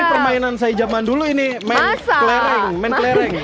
ini permainan saya zaman dulu ini main kelereng